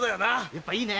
やっぱいいね。